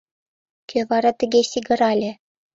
— Кӧ вара тыге сигырале?..»